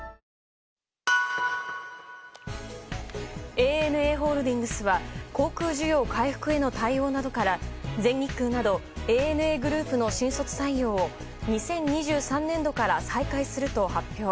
ＡＮＡホールディングスは航空需要回復への対応などから全日空などＡＮＡグループの新卒採用を２０２３年度から再開すると発表。